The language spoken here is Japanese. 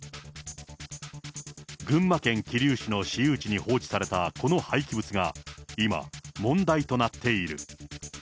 群馬県桐生市の私有地に放置されたこの廃棄物が、今問題となっている。